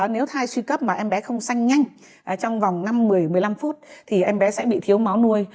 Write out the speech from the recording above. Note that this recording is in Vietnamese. nếu thai suy cấp mà em bé không xanh nhanh trong vòng năm một mươi một mươi năm phút thì em bé sẽ bị thiếu máu nuôi